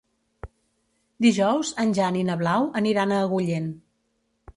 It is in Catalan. Dijous en Jan i na Blau aniran a Agullent.